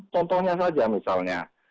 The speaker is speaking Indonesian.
contohnya saja misalnya